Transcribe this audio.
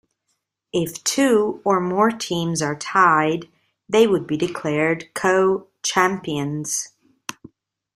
If two or more teams are tied, they would be declared co-champions.